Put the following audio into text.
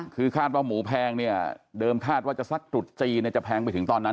คือคาดว่าหมูแพงเนี่ยเดิมคาดว่าจะสักตรุษจีนจะแพงไปถึงตอนนั้น